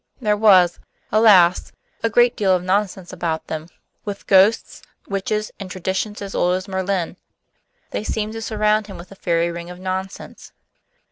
There was, alas! a great deal of nonsense about them; with ghosts, witches, and traditions as old as Merlin, they seemed to surround him with a fairy ring of nonsense.